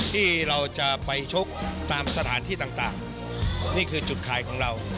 ที่เราจะไปชกตามสถานที่ต่างนี่คือจุดขายของเรา